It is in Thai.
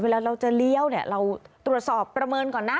เวลาเราจะเลี้ยวเนี่ยเราตรวจสอบประเมินก่อนนะ